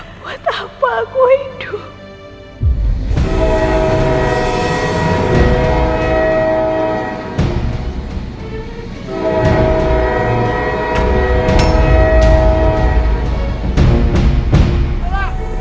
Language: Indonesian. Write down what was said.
buat apa aku hidup